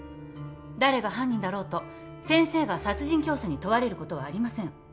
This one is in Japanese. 誰が犯人だろうと先生が殺人教唆に問われることはありません。